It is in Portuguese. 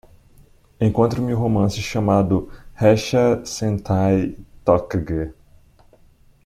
Encontre-me o romance chamado Ressha Sentai ToQger